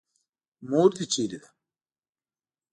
مور دې چېرې ده.